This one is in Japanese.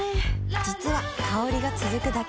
実は香りが続くだけじゃない